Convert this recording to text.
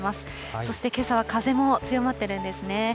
そしてけさは風も強まっているんですね。